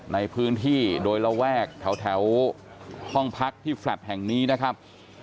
ในพื้นที่โดยระแวกแถวห้องพักที่แฟลต์แห่งนี้นะครับ